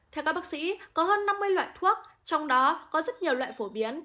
theo các bác sĩ có hơn năm mươi loại thuốc trong đó có rất nhiều loại phổ biến